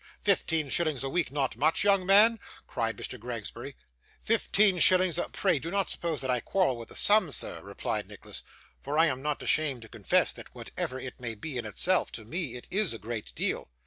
Fifteen shillings a week not much, young man?' cried Mr Gregsbury. 'Fifteen shillings a ' 'Pray do not suppose that I quarrel with the sum, sir,' replied Nicholas; 'for I am not ashamed to confess, that whatever it may be in itself, to me it is a great deal.